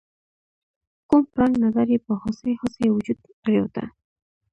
کوم پړانګ نظر یې په هوسۍ هوسۍ وجود پریوته؟